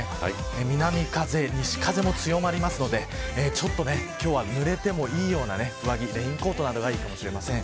南風、西風も強まりますので今日は濡れてもいいような上着やレインコートなどがいいかもしれません。